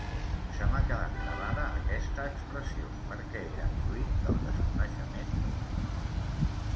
Se m’ha quedat gravada aquesta expressió, perquè era fruit del desconeixement mutu.